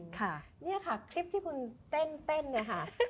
ค่ะนี่ค่ะคลิปที่คุณเต้นเนี่ยค่ะ